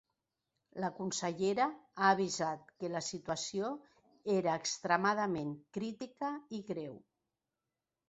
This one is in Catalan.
La consellera ha avisat que la situació era ‘extremadament crítica i greu’.